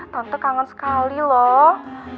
tante kangen sekali loh